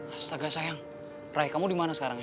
astaga sayang rai kamu dimana sekarang ya